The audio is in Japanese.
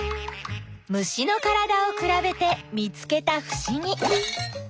虫のからだをくらべて見つけたふしぎ。